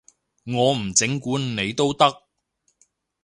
我唔整蠱你都得